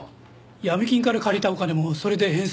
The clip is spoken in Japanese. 闇金から借りたお金もそれで返済したって。